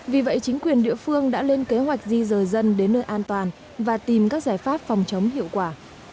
vì vậy chính quyền địa phương đã lên kế hoạch di rời dân đến nơi an toàn và tìm các giải pháp phòng chống hiệu quả